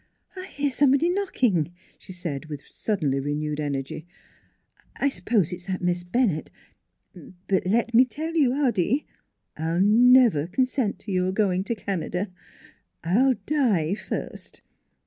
" I hear somebody knocking," she said, with suddenly renewed energy. " I suppose it's that Miss Bennett. ... But let me tell you, Hoddy, I'll never consent to you're going to Canada; I'll die first.